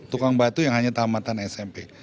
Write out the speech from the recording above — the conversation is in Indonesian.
tukang batu yang hanya tamatan smp